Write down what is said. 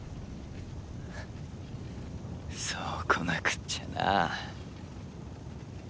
そうこなくっちゃな。